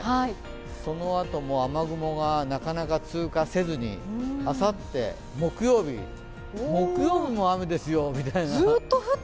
そのあとも雨雲がなかなか通過せずに、あさって木曜日、木曜日も雨ですよみたいな。